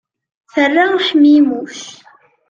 Terra ḥmimuc.